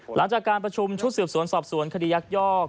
หลังจากการประชุมชุดสืบสวนสอบสวนคดียักยอก